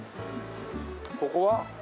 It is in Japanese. ここは？